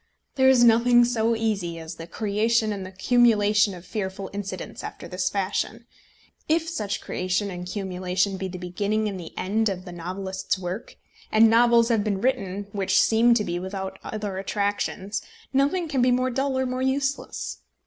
There is nothing so easy as the creation and the cumulation of fearful incidents after this fashion. If such creation and cumulation be the beginning and the end of the novelist's work, and novels have been written which seem to be without other attractions, nothing can be more dull or more useless.